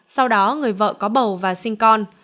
sau đó người vợ có bầu và sinh con